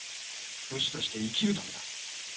武士として生きるためだ。